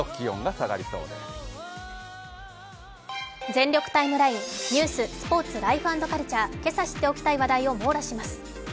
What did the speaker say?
「全力ＴＩＭＥライン」ニュース、スポーツ、ライフ＆カルチャー、今朝知っておきたい話題を網羅します。